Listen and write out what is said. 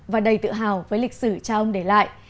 và đầy tự hào với lịch sử cha ông để lại